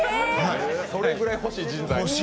それぐらい欲しい人材。